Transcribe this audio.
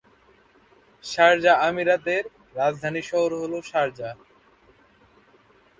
Sharjah আমিরাতের রাজধানী শহর হলো "শারজাহ"।